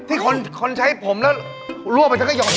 ที่คนใช้ผมแล้วล่วงไปเธอก็หย่อนด้วย